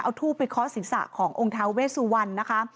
เอาทูบไปเคาะศีรษะขององค์ท้าเวสวรรณนะคะ